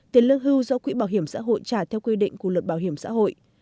tiền lương hưu do quỹ bảo hiểm xã hội trả theo quy định của luật bảo hiểm xã hội